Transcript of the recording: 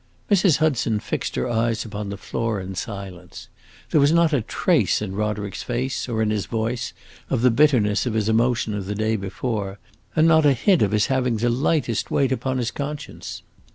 Mrs. Hudson fixed her eyes upon the floor in silence. There was not a trace in Roderick's face, or in his voice, of the bitterness of his emotion of the day before, and not a hint of his having the lightest weight upon his conscience.